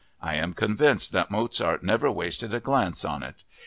I am convinced that Mozart never wasted a glance on it.